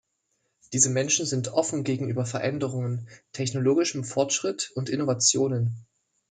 Diese Menschen sind offen gegenüber Veränderungen, technologischem Fortschritt und Innovationen.